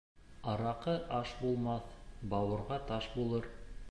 Араҡы аш булмаҫ, бауырға таш булыр.